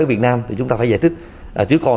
ở việt nam thì chúng ta phải giải thích chứ còn